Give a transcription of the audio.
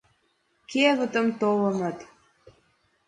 Кевытым толеныт!